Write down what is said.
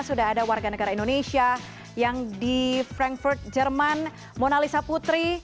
sudah ada warga negara indonesia yang di frankfurt jerman monalisa putri